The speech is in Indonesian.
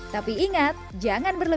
tapi ingat jangan berpikir